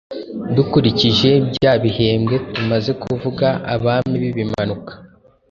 dukurikije bya bihembwe tumaze kuvuga: Abami b'Ibimanuka,